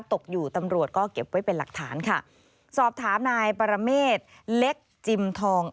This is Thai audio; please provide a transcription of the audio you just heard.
ตกอยู่ตำรวจก็เก็บไว้เป็นหลักฐานค่ะสอบถามนายปรเมษเล็กจิมทอง